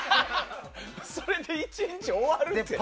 それで１日終わるって。